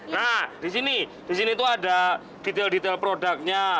nah disini disini tuh ada detail detail produknya